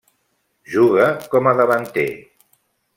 Juga com a davanter.